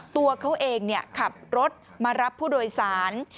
ตัวเขาเองขับรถมารับผู้โดยสาร